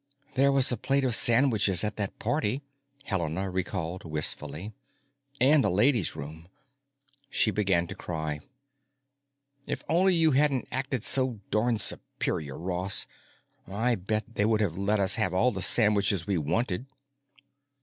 "There was a plate of sandwiches at that party," Helena recalled wistfully. "And a ladies' room." She began to cry. "If only you hadn't acted so darn superior, Ross! I'll bet they would have let us have all the sandwiches we wanted."